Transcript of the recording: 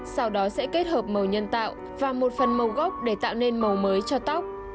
sau đó sẽ kết hợp màu nhân tạo và một phần màu gốc để tạo nên màu mới cho tóc